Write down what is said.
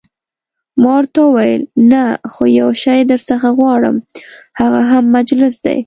ما ورته وویل: نه، خو یو شی درڅخه غواړم، هغه هم مجلس دی.